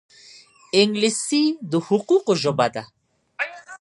انګلیسي د حقوقو ژبه ده